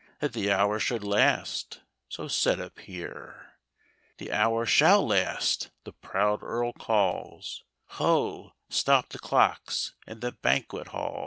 " "That the hour should last" — so said a peer. " The hour shall last! " the proud earl calls ;" Ho ! Stop the clocks in the banquet halls